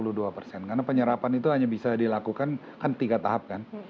karena penyerapan itu hanya bisa dilakukan kan tiga tahap kan